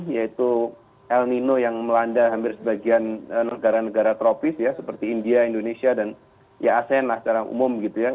yaitu el nino yang melanda hampir sebagian negara negara tropis ya seperti india indonesia dan ya asean lah secara umum gitu ya